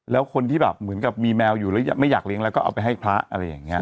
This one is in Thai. แล้วคนที่แบบเหมือนกับมีแมวอยู่แล้วไม่อยากเลี้ยงแล้วก็เอาไปให้พระอะไรอย่างนี้